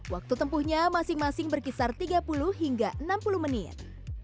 waktu tempuhnya masing masing berkisar tiga puluh hingga enam puluh menit